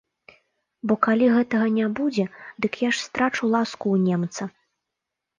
Бо калі гэтага не будзе, дык я ж страчу ласку ў немца.